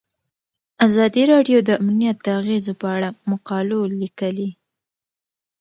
ازادي راډیو د امنیت د اغیزو په اړه مقالو لیکلي.